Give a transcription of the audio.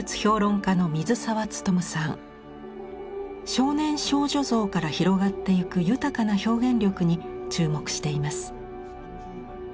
少年少女像から広がってゆく豊かな表現力に注目しています。